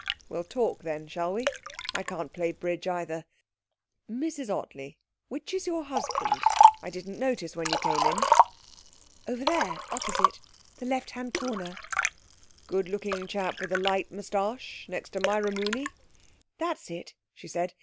'We'll talk then, shall we? I can't play bridge either.... Mrs Ottley which is your husband? I didn't notice when you came in.' 'Over there, opposite; the left hand corner.' 'Good looking chap with the light moustache next to Myra Mooney?' 'That's it,' she said.